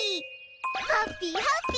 ハッピーハッピー！